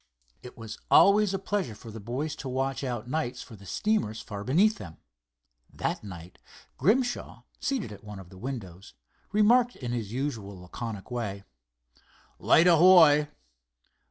It was always a pleasure for the boys to watch out nights for the steamers far beneath them. That night, Grimshaw, seated at one of the windows, remarked in his usual laconic way: "Light ahoy!"